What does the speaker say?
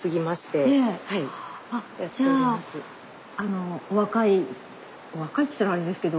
あっじゃあ若い若いって言ったらあれですけどその